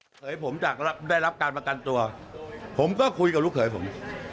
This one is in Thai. เขยผมจะได้รับการประกันตัวผมก็คุยกับลูกเขยผม